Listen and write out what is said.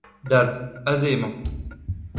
Dal, aze emañ.